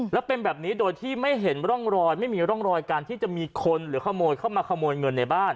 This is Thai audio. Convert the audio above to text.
แล้วเป็นแบบนี้โดยที่ไม่เห็นร่องรอยไม่มีร่องรอยการที่จะมีคนหรือขโมยเข้ามาขโมยเงินในบ้าน